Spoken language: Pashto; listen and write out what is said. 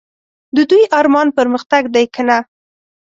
د دوی ارمان پرمختګ دی که نه ؟